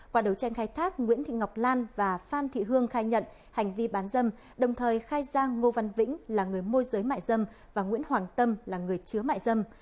qua đấu tranh khai thác nguyễn thị ngọc lan và phan thị hương khai nhận hành vi bán dâm đồng thời khai giang ngô văn vĩnh là người môi giới mại dâm và nguyễn hoàng tâm là người chứa mại dâm